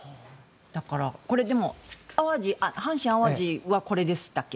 だから、これ阪神・淡路はこれでしたっけ。